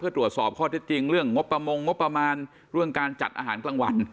เพื่อตรวจสอบข้อเท็จจริงเรื่องงบประมาณเรื่องการจัดอาหารกลางวัน